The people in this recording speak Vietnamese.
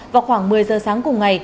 vào khoảng một mươi giờ sáng cùng ngày